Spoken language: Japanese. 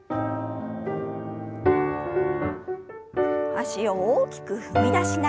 脚を大きく踏み出しながら。